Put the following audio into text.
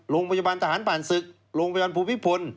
โรงพยาบาลทหารผ่านศึกโรงพยาบาลภูมิพล